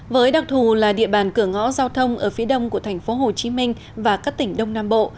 với đặc thù là địa bàn cửa ngõ giao thông ở phía đông của thành phố hồ chí minh và các tỉnh đông nam bộ